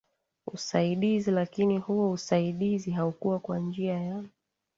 usaidizi lakini huo usaidizi haukua kwa njia ya